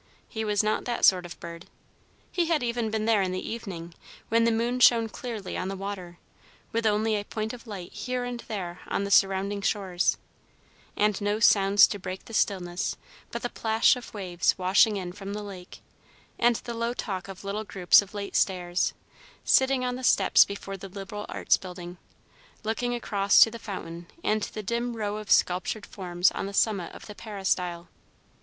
He was not that sort of bird. He had even been there in the evening, when the moon shone clearly on the water, with only a point of light here and there on the surrounding shores, and no sounds to break the stillness but the plash of waves washing in from the lake, and the low talk of little groups of late stayers, sitting on the steps before the Liberal Arts Building, looking across to the fountain and the dim row of sculptured forms on the summit of the Peristyle.